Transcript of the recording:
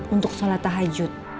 untuk sholat tahajud